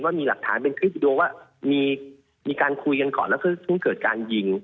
มีหลักฐานเป็นคลิปวิดีโอว่ามีการคุยกันก่อนแล้วก็เพิ่งเกิดการยิง